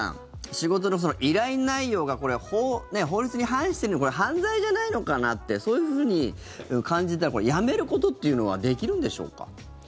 仕事の依頼内容が法律に反してるこれ犯罪じゃないのかなってそういうふうに感じたらやめることっていうのはできるんでしょうか？